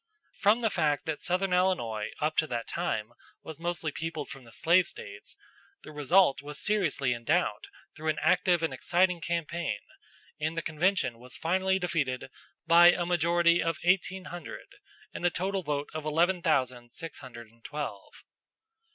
From the fact that southern Illinois up to that time was mostly peopled from the slave States, the result was seriously in doubt through an active and exciting campaign, and the convention was finally defeated by a majority of eighteen hundred in a total vote of eleven thousand six hundred and twelve.